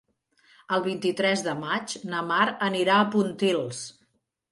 El vint-i-tres de maig na Mar anirà a Pontils.